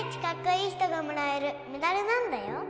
いい人がもらえるメダルなんだよ